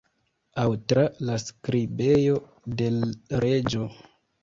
Aŭ tra la skribejo de l' Reĝo?